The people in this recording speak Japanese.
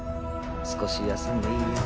少し休んでいいよ。